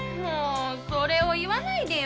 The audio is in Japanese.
それを言わないでよ。